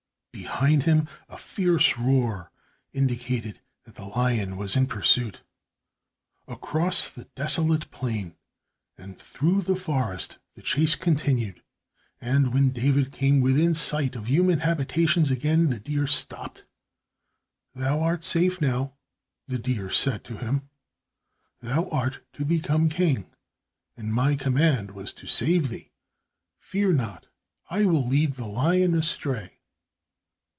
Behind him a fierce roar indicated that the lion was in pursuit. Across the desolate plain and through the forest the chase continued, and when David came within sight of human habitations again, the deer stopped. "Thou art safe now," the deer said to him. "Thou art to become king, and my command was to save thee. Fear not, I will lead the lion astray."